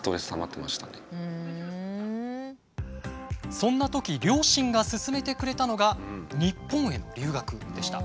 そんなとき両親が勧めてくれたのが日本への留学でした。